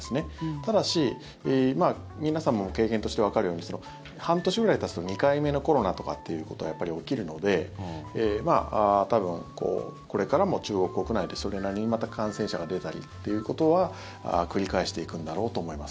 ただし、皆さんも経験としてわかるように半年ぐらいたつと２回目のコロナとかってことはやっぱり起きるので多分、これからも中国国内でそれなりにまた感染者が出たりっていうことは繰り返していくんだろうと思います。